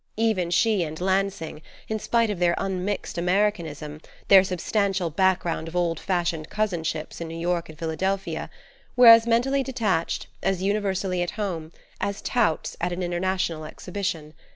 Even she and Lansing, in spite of their unmixed Americanism, their substantial background of old fashioned cousinships in New York and Philadelphia, were as mentally detached, as universally at home, as touts at an International Exhibition.